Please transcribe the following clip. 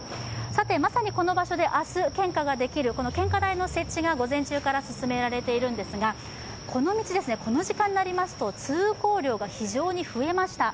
さて、まさにこの場所で明日、献花ができる献花台の設置が午前中から進められていますが、この道、この時間になりますと通行量が非常に増えました。